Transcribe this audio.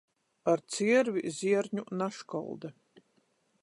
Ar ciervi zierņu naškolda.